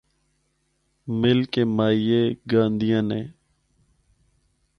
مل کے ماہیے گاندیاں نے۔